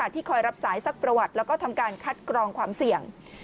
ที่คอยรับสายสักประวัติแล้วก็ทำการคัดกรองความเสี่ยง